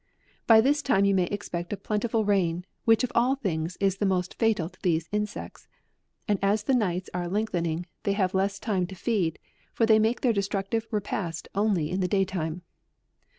By this time you may expect a plentiful rain, which of all things is the most fatal to these insects ; and as the nights are lengthening, they have less time to feed, for they make their destructive repast only in the day time.